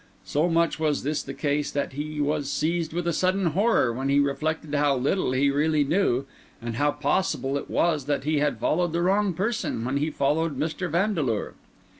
So much was this the case that he was seized with a sudden horror when he reflected how little he really knew, and how possible it was that he had followed the wrong person when he followed Mr. Vandeleur.